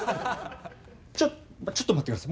ちょっとちょっと待ってください。